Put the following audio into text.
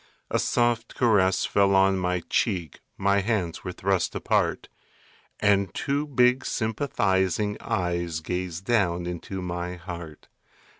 A soft caress fell on my cheek, My hands were thrust apart. And two big sympathizing eyes Gazed down into my heart.